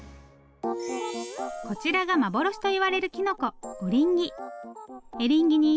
こちらが幻といわれるきのこオリンギ。